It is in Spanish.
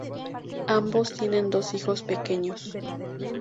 Ambos tienen dos hijos pequeños.